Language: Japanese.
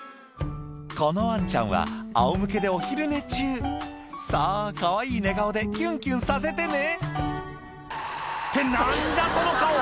このワンちゃんはあおむけでお昼寝中さぁかわいい寝顔でキュンキュンさせてねって何じゃその顔！